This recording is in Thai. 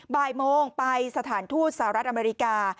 บ่ายโมงไปสถานทูตสหรัฐอเมริกา